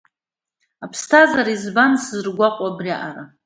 Аԥсҭазаара, избан сызургәаҟуа абри аҟара.